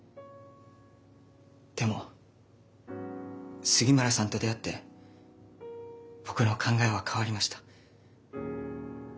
でも杉村さんと出会って僕の考えは変わりました。